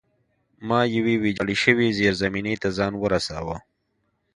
ما یوې ویجاړې شوې زیرزمینۍ ته ځان ورساوه